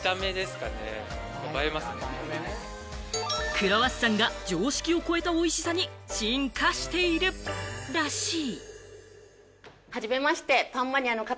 クロワッサンが常識を超えたおいしさに進化しているらしい。